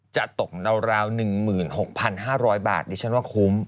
จะตกราว๑๖๕๐๐บาทดิฉันว่าคุ้ม